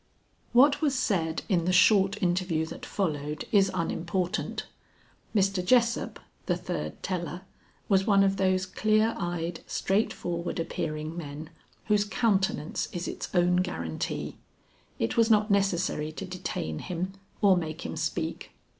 What was said in the short interview that followed, is unimportant. Mr. Jessup, the third teller, was one of those clear eyed, straightforward appearing men whose countenance is its own guarantee. It was not necessary to detain him or make him speak.